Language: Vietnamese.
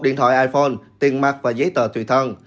điện thoại iphone tiền mặt và giấy tờ tùy thân